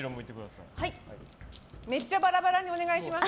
めっちゃバラバラにお願いします。